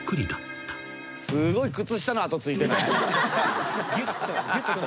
すごい靴下の跡ついてない？